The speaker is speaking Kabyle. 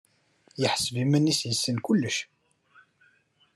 Yeḥseb iman-nnes yessen kullec.